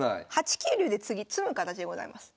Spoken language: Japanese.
８九竜で次詰む形でございます。